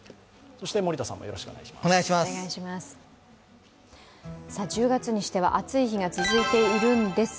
そして森田さんもよろしくお願いします。